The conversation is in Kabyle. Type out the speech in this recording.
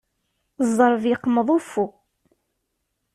Ẓẓerb yeqmeḍ uffu.